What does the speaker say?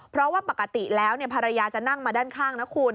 เพราะว่าปกติแล้วภรรยาจะนั่งมาด้านข้างนะคุณ